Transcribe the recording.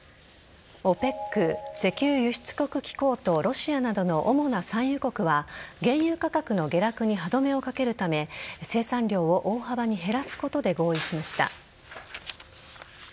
ＯＰＥＣ＝石油輸出国機構とロシアなどの主な産油国は原油価格の下落に歯止めをかけるため生産量を大幅に減らすことで合意しました。